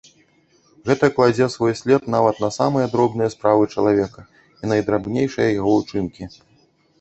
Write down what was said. Гэта кладзе свой след нават на самыя дробныя справы чалавека і найдрабнейшыя яго ўчынкі.